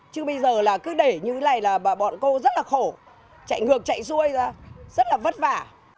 chứ bây giờ là cứ để như thế này là bọn cô rất là khổ chạy ngược chạy xuôi ra rất là vất vả